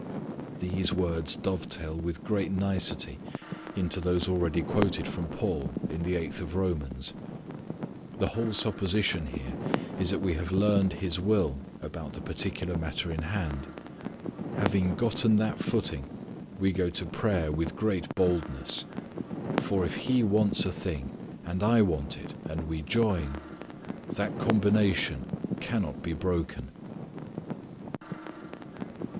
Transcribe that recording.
These words dovetail with great nicety into those already quoted from Paul in the eighth of Romans. The whole supposition here is that we have learned His will about the particular matter in hand. Having gotten that footing, we go to prayer with great boldness. For if He wants a thing and I want it and we join that combination cannot be broken.